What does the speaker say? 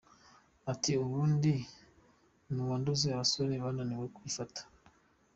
Ati « ubundi ni uwandoze abasore bananiwe kwifata ?».